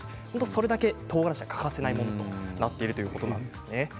それだけ、とうがらしは欠かせないものだということです。